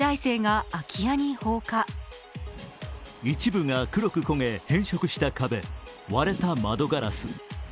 一部が黒く焦げ、変色した壁割れた窓ガラス。